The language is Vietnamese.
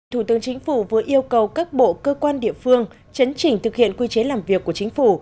thủ tướng chính phủ vừa yêu cầu các bộ cơ quan địa phương chấn chỉnh thực hiện quy chế làm việc của chính phủ